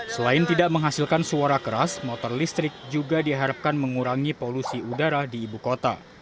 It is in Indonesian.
selain tidak menghasilkan suara keras motor listrik juga diharapkan mengurangi polusi udara di ibu kota